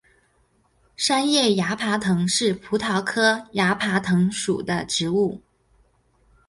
三叶崖爬藤是葡萄科崖爬藤属的植物。